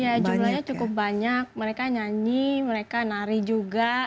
ya jumlahnya cukup banyak mereka nyanyi mereka nari juga